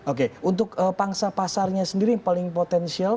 oke untuk pangsa pasarnya sendiri yang paling potensial